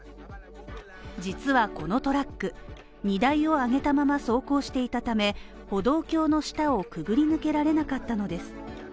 実はこのトラック荷台を上げたまま走行していたため、歩道橋の下をくぐり抜けられなかったのです。